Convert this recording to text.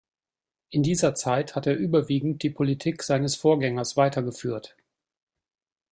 In dieser Zeit hat er überwiegend die Politik seines Vorgängers weitergeführt.